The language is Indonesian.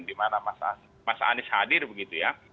dimana mas anies hadir begitu ya